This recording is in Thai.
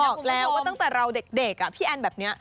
บอกแล้วว่าตั้งแต่เราเด็กพี่แอนแบบนี้